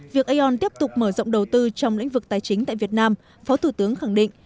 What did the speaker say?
việc aon tiếp tục mở rộng đầu tư trong lĩnh vực tài chính tại việt nam phó thủ tướng khẳng định